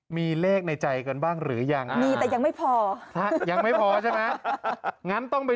มีเลขในใจกันบ้างหรือยังมีแต่ยังไม่พอยังไม่พอใช่ไหมงั้นต้องไป